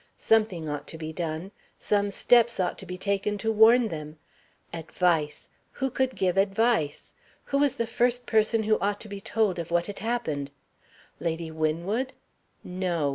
Something ought to be done. Some steps ought to be taken to warn them. Advice who could give advice? Who was the first person who ought to be told of what had happened? Lady Winwood? No!